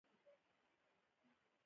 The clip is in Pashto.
هغه په اس سفر کاوه او نړۍ یې لیدله.